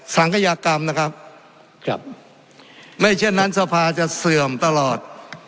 สังขยากรรมนะครับครับไม่เช่นนั้นสภาจะเสื่อมตลอด